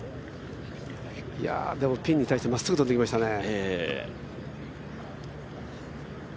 でも、ピンに対してまっすぐ飛んできましたね。